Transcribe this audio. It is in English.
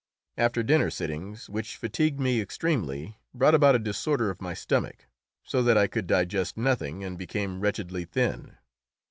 After dinner sittings, which fatigued me extremely, brought about a disorder of my stomach, so that I could digest nothing and became wretchedly thin.